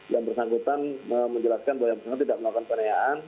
yang bersangkutan menjelaskan bahwa yang bersangkutan tidak melakukan penganiayaan